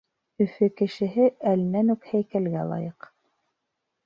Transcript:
Өфө кешеһе әленән үк һәйкәлгә лайыҡ.